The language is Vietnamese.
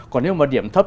còn nếu mà điểm thấp